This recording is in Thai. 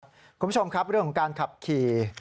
คุณผู้ชมครับเรื่องของการขับขี่